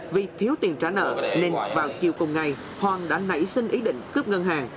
vì thiếu tiền trả nợ nên vào chiều cùng ngày hoàng đã nảy sinh ý định